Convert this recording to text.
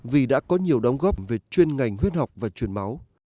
vì đã có nhiều đóng góp về chuyên ngành huyết học và chuyển máu